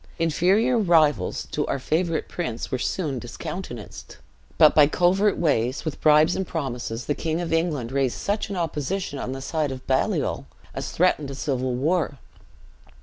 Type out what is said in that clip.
Inferior rivals to our favorite to our favorite prince were soon discountenanced; but by covert ways, with bribes and promises, the King of England raised such a opposition on the side of Baliol, as threatened a civil war.